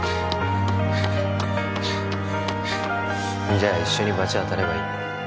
じゃ一緒に罰当たればいい